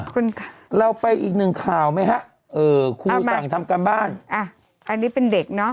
คือคือคือคือ